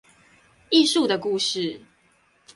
藝術的故事